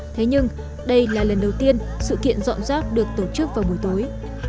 thế nhưng đây là lần đầu tiên sự kiện dọn rác được tổ chức vào buổi tối